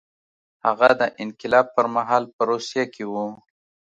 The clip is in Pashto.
هغه د انقلاب پر مهال په روسیه کې و